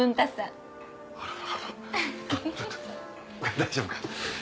大丈夫か。